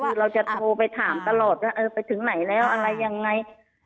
คือเราจะโทรไปถามตลอดว่าเออไปถึงไหนแล้วอะไรยังไง